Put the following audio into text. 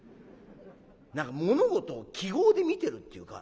何か物事を記号で見てるっていうか。